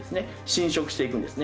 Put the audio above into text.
侵食していくんですね。